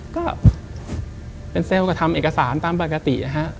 ก็เป็นเซลล์ก็ทำเอกสารตามปกตินะฮะ